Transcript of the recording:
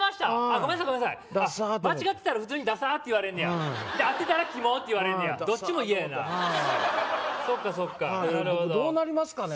ごめんなさいごめんなさい間違ってたら普通に「ダサッ」て言われんねやで当てたら「キモッ」て言われんねやどっちも嫌やなダサッと思ってはいそっかそっかなるほど僕どうなりますかね